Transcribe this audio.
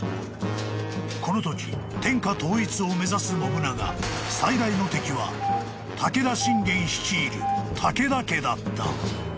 ［このとき天下統一を目指す信長最大の敵は武田信玄率いる武田家だった］